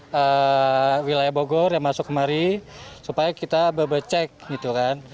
di wilayah bogor yang masuk kemari supaya kita bebek cek gitu kan